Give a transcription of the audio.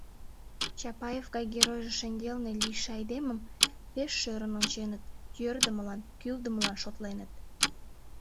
Чапаев гай геройжо шеҥгелне лийше айдемым пеш шӧрын онченыт, йӧрдымылан, кӱлдымылан шотленыт.